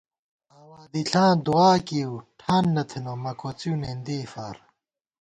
آواں دِݪاں دُعا کېئیؤ ٹھان نہ تھنہ مہ کوڅِؤ نېندِئےفار